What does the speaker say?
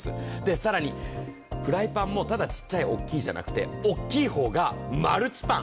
更にフライパンもただちっちゃい、大きいじゃなくて、大きい方がマルチパン。